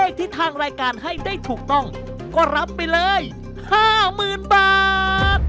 ก็รับไปเลย๕๐๐๐๐บาท